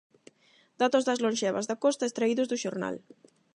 Datos das lonxevas da Costa extraídos do xornal.